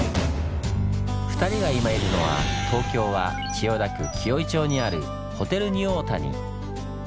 ２人が今いるのは東京は千代田区紀尾井町にあるホテルニューオータニ。